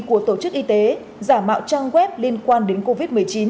của tổ chức y tế giả mạo trang web liên quan đến covid một mươi chín